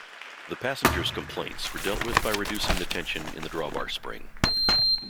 The passengers' complaints were dealt with by reducing the tension in the drawbar spring.